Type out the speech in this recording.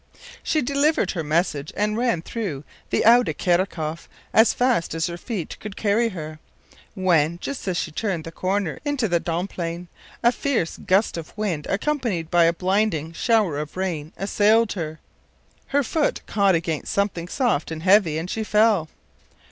” She delivered her message, and ran on through Oude Kerkhoff as fast as her feet could carry her, when, just as she turned the corner into the Domplein, a fierce gust of wind, accompanied by a blinding shower of rain, assailed her; her foot caught against something soft and heavy, and she fell.